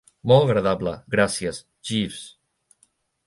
Molt agradable, gràcies, Jeeves.